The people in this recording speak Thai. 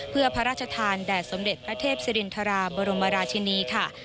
เพื่อพระราชทานแด่สมเด็จพระเทพศิรินทราบรมราชินีค่ะ